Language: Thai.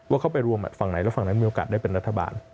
เข้าไปรวมฝั่งไหนแล้วฝั่งนั้นมีโอกาสได้เป็นรัฐบาล